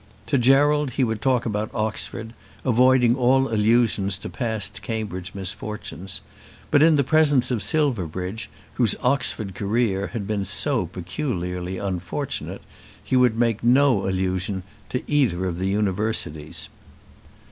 To Gerald he would talk about Oxford, avoiding all allusions to past Cambridge misfortunes; but in the presence of Silverbridge, whose Oxford career had been so peculiarly unfortunate, he would make no allusion to either of the universities.